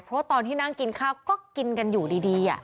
เพราะตอนที่นั่งกินข้าวก็กินกันอยู่ดี